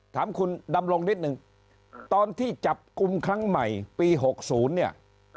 ถามคุณดำรงนิดนึงตอนที่จับกลุ่มครั้งใหม่ปี๖๐เนี่ย